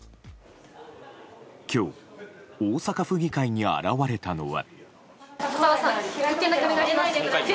今日、大阪府議会に現れたのは。